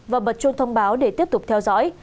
và bật chuông thông báo để tiếp tục theo dõi